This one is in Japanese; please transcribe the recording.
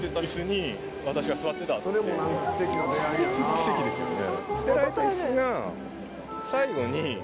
奇跡ですよね。